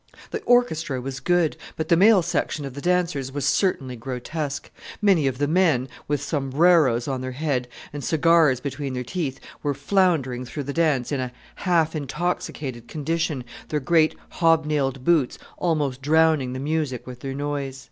The orchestra was good, but the male section of the dancers was certainly grotesque; many of the men, with sombreros on their head and cigars between their teeth, were floundering through the dance in a half intoxicated condition, their great hob nailed boots almost drowning the music with their noise.